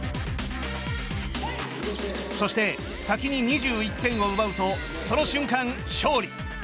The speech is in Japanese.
そして、先に２１点を奪うとその瞬間、勝利。